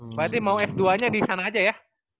berarti mau f dua nya disana aja ya